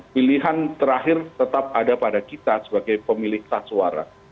pilihan terakhir tetap ada pada kita sebagai pemilik saswara